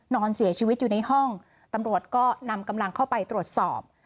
นอนเสียชีวิตอยู่ในห้องตำรวจก็นำกำลังเข้าไปตรวจสอบ